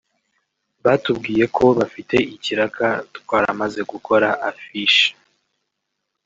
Batubwiye ko bafite ikiraka twaramaze gukora affiche